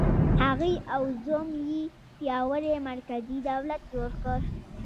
هغې او زوم یې پیاوړی مرکزي دولت جوړ کړ.